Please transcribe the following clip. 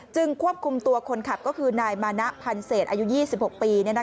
ควบคุมตัวคนขับก็คือนายมานะพันเศษอายุ๒๖ปี